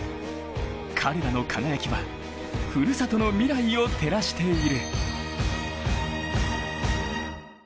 彼らの輝きは、ふるさとの未来を照らしている。